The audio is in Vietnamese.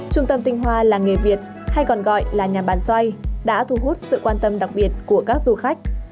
trung tâm tinh hoa làng nghề việt hay còn gọi là nhà bàn xoay đã thu hút sự quan tâm đặc biệt của các du khách